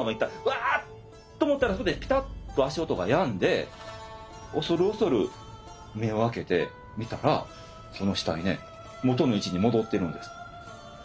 ワーッと思ったらそこでピタッと足音がやんで恐る恐る目を開けて見たらその死体ね元の位置に戻ってるんです。